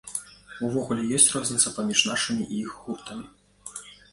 Увогуле, ёсць розніца паміж нашымі і іх гуртамі?